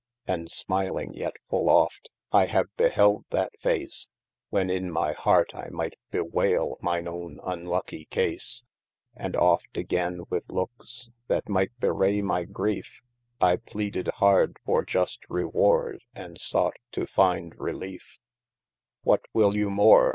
And smiling yet full oft, I have behelde that face, When in my hearte I might bewaile mine owne unluckie case : And oft againe with lakes that might bewraie my griefe, I pleaded horde for just rewarde, and sought to finde reliefe. 398 OF MASTER F. J. What will you more